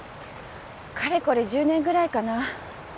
かれこれ１０年ぐらいかな。